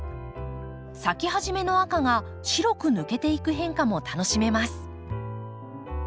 咲き始めの赤が白く抜けていく変化も楽しめます。